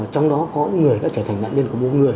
trong đó có những người đã trở thành nạn nhân của mỗi người